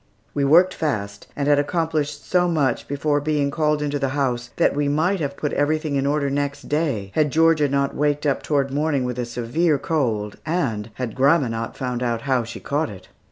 We worked fast, and had accomplished so much before being called into the house that we might have put everything in order next day, had Georgia not waked up toward morning with a severe cold, and had grandma not found out how she caught it.